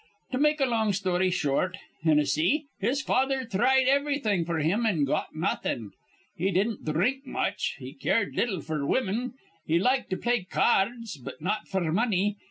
To make a long story short, Hinnissy, his father thried ivrything f'r him, an' got nawthin.' He didn't dhrink much, he cared little f'r women, he liked to play ca ards, but not f'r money.